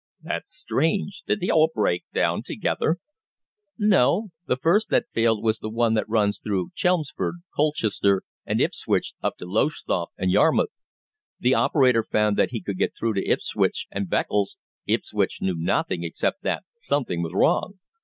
"That's strange! Did they all break down together?" "No. The first that failed was the one that runs through Chelmsford, Colchester, and Ipswich up to Lowestoft and Yarmouth. The operator found that he could get through to Ipswich and Beccles. Ipswich knew nothing, except that something was wrong.